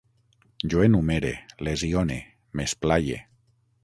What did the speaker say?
Jo enumere, lesione, m'esplaie